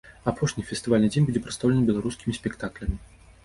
Апошні фестывальны дзень будзе прадстаўлены беларускімі спектаклямі.